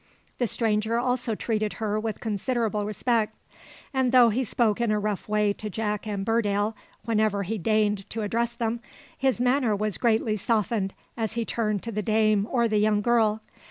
The stranger also treated her with considerable respect; and though he spoke in a rough way to Jack and Burdale, whenever he deigned to address them, his manner was greatly softened as he turned to the dame or the young girl.